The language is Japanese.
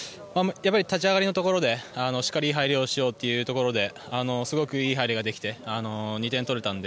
やっぱり立ち上がりのところでいい入りをしようというところですごくいい入りができて２点取れたので。